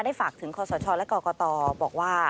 ได้ฝากถึงขศและกตบอกว่า